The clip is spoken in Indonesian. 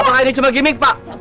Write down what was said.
apakah ini cuma gimmick pak